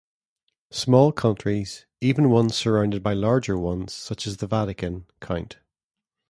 Small countries, even ones surrounded by larger ones, such as the Vatican, count.